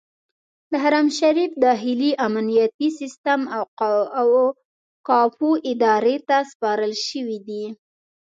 د حرم شریف داخلي امنیتي سیستم اوقافو ادارې ته سپارل شوی دی.